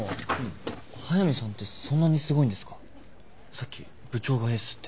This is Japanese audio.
さっき部長がエースって。